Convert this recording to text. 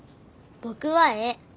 僕はええ。